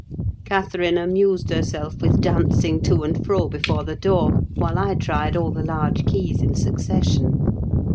Catherine amused herself with dancing to and fro before the door, while I tried all the large keys in succession.